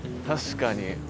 確かに。